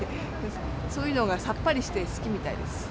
そういうのがさっぱりして好きみたいです。